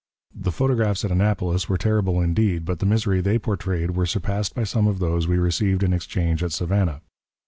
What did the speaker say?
The photographs at Annapolis were terrible indeed, but the misery they portrayed was surpassed by some of those we received in exchange at Savannah.